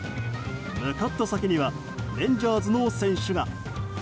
向かった先にはレンジャーズの選手が。